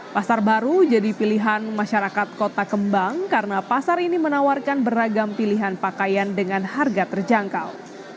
pasar baru jadi pilihan masyarakat kota kembang karena pasar ini menawarkan beragam pilihan pakaian dengan harga terjangkau